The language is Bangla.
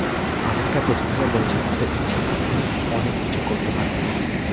আমেরিকার প্রতিনিধিরা বলছে, তাদের ইচ্ছা থাকলেও অনেক কিছু করতে পারে না।